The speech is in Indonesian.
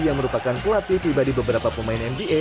yang merupakan pelatih pribadi beberapa pemain mda